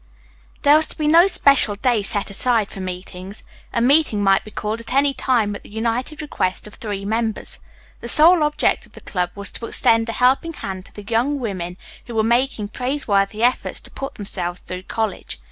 There was to be no special day set aside for meetings. A meeting might be called at any time at the united request of three members. The sole object of the club was to extend a helping hand to the young women who were making praiseworthy efforts to put themselves through college.